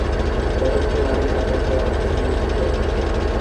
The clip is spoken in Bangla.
ততক্ষণ আমি পতাকা উড্ডীন রাখছি।